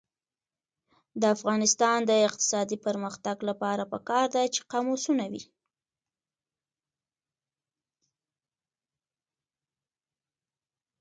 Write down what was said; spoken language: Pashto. د افغانستان د اقتصادي پرمختګ لپاره پکار ده چې قاموسونه وي.